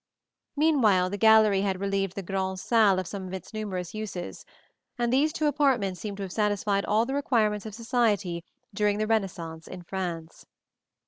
Meanwhile, the gallery had relieved the grand'salle of some of its numerous uses; and these two apartments seem to have satisfied all the requirements of society during the Renaissance in France.